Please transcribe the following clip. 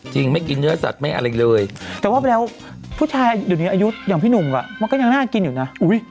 จริงไม่กินเนื้อสัตว์เลยแต่พูดชายเป็นเดี๋ยวนี้อายุอย่างพี่หนุ่มก็ยังน่ากินอยู่นะ